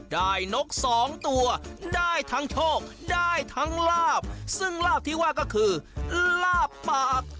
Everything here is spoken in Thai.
นกสองตัวได้ทั้งโชคได้ทั้งลาบซึ่งลาบที่ว่าก็คือลาบปาก